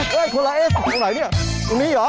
เฮ่ยคนละเอสตรงไหนนี่ตรงนี้เหรอ